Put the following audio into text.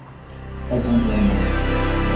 I don't very much.